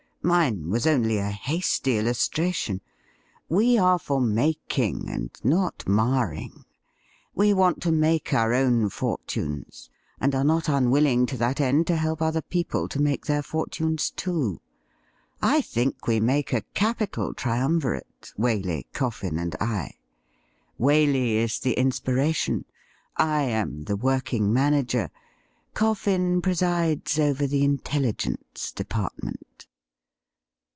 Mine was only a hasty illustration. We are for making, and not marring ; we want to make our own fortunes, and arc not unwilling to that end to help other people to make their fortunes too. I think we make a capital triumvirate — ^Waley, CofRn and I. Waley is the inspiration ; I am the working manager. CoiBn presides over the intelligence department.'